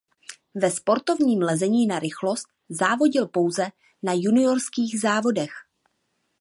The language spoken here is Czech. Ve sportovním lezení na rychlost závodil pouze na juniorských závodech.